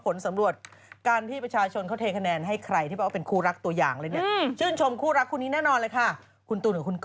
ผลสำรวจการที่ประชาชนเขาจะเทคะแนน